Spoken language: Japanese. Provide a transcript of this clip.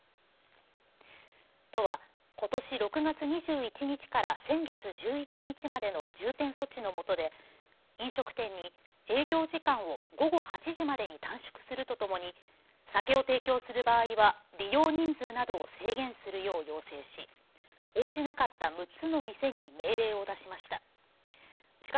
都はことし６月２１日から先月１１日までの重点措置のもとで飲食店に営業時間を午後８時までに短縮するとともに酒を提供する場合は利用人数などを制限するよう要請し、応じなかった６つの店に命令を出しました。